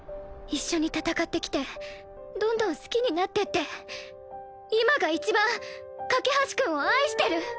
一緒に戦ってきてどんどん好きになってって今が一番架橋君を愛してる！